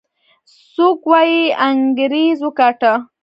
څوک وايي انګريز وګاټه.